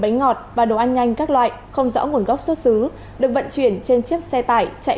bánh ngọt và đồ ăn nhanh các loại không rõ nguồn gốc xuất xứ được vận chuyển trên chiếc xe tải chạy